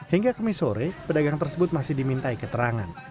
hingga kemis sore pedagang tersebut masih dimintai keterangan